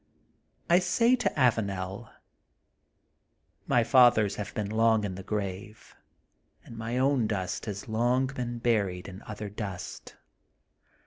I say to Avanel: My Fathers have been long in the grave, and my own dust has long been buried in other dust.